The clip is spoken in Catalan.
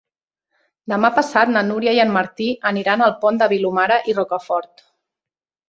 Demà passat na Núria i en Martí aniran al Pont de Vilomara i Rocafort.